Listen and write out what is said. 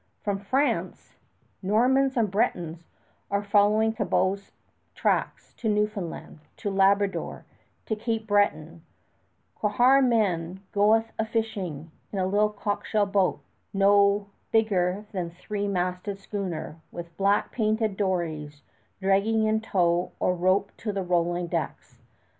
From France, Normans and Bretons are following Cabot's tracks to Newfoundland, to Labrador, to Cape Breton, "quhar men goeth a fishing" in little cockleshell boats no bigger than three masted schooner, with black painted dories dragging in tow or roped on the rolling decks.